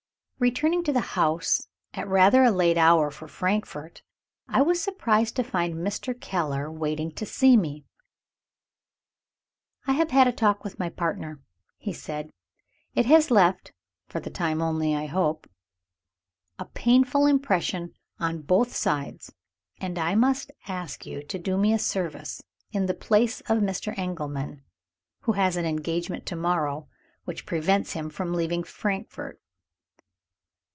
Returning to the house at rather a late hour for Frankfort, I was surprised to find Mr. Keller waiting to see me. "I have had a talk with my partner," he said. "It has left (for the time only, I hope), a painful impression on both sides and I must ask you to do me a service, in the place of Mr. Engelman who has an engagement to morrow, which prevents him from leaving Frankfort."